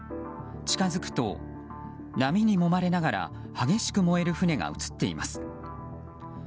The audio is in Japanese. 近づくと、波にもまれながら激しく燃える船が映っています。